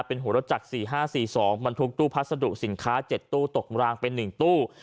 เป็นหัวรถจักร๔๕๔๒บรรทุกตู้พัสดุสินค้า๗ตู้ตกรางไป๑ตู้